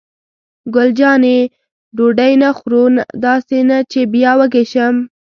ګل جانې: ډوډۍ نه خورو؟ داسې نه چې بیا وږې شم.